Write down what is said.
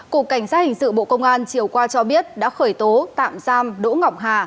cục cảnh sát hình sự bộ công an chiều qua cho biết đã khởi tố tạm giam đỗ ngọc hà